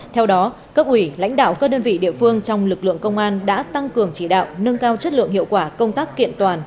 theo đó cấp ủy lãnh đạo các đơn vị địa phương trong lực lượng công an đã tăng cường chỉ đạo nâng cao chất lượng hiệu quả công tác kiện toàn